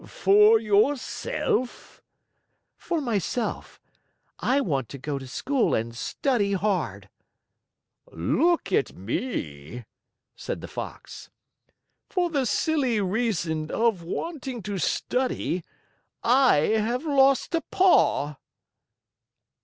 "For yourself?" "For myself. I want to go to school and study hard." "Look at me," said the Fox. "For the silly reason of wanting to study, I have lost a paw."